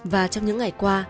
và trong những ngày qua